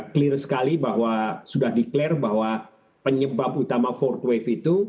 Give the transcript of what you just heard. clear sekali bahwa sudah declare bahwa penyebab utama volt wave itu